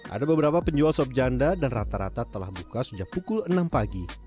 ada beberapa penjual sop janda dan rata rata telah buka sejak pukul enam pagi